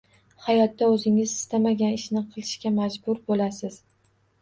Hayotda o‘zingiz istamagan ishni qilishga majbur bo‘lasiz.